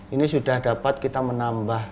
ini sudah dapat kita menambah